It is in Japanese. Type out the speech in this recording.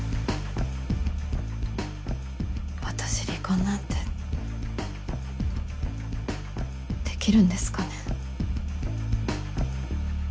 私離婚なんてできるんですかね。